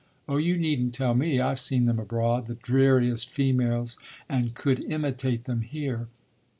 Oh you needn't tell me, I've seen them abroad the dreariest females and could imitate them here.